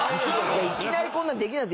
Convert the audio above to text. いきなりこんなんできないです。